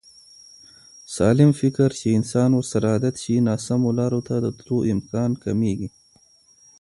. سالم فکر چې انسان ورسره عادت شي، ناسمو لارو ته د تلو امکان کمېږي.